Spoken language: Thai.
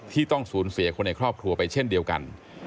ต้องสูญเสียคนในครอบครัวไปเช่นเดียวกัน